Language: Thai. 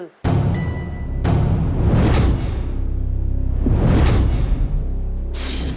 เรื่องนี้คือ